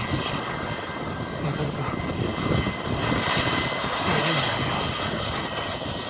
将くんもう会うのやめよう。